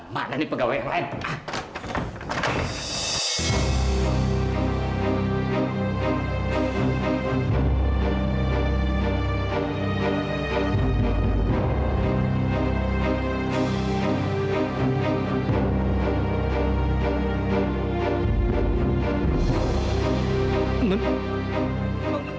mana nih pegawai yang lain